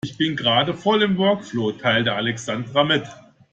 Ich bin gerade voll im Workflow, teilte Alexandra mit.